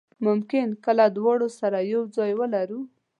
ممکن کله دواړه سره یو ځای ولرو.